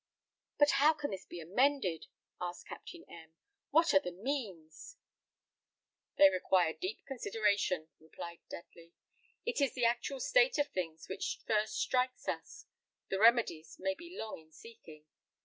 "But how can this be amended?" asked Captain M . "What are the means?" "They require deep consideration," replied Dudley. "It is the actual state of things which first strikes us; the remedies may be long in seeking.